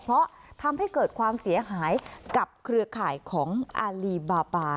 เพราะทำให้เกิดความเสียหายกับเครือข่ายของอารีบาบา